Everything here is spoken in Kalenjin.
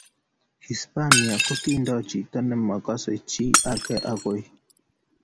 Hispania kokiindoi chito ne makase chi ake akoi